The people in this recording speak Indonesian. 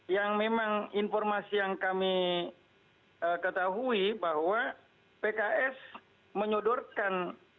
yang memang informasi yang kami ketahui bahwa pks menyodorkan